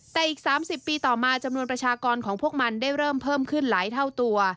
แต่อีก๓๐ปีต่อมาจำนวนประชากรของพวกมันได้เริ่มเพิ่มขึ้นหลายเท่าตัว